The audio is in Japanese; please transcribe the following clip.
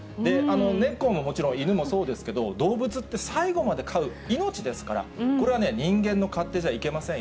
猫ももちろん、犬もそうですけど、動物って最後まで飼う、命ですから、これはね、人間の勝手じゃいけませんよ。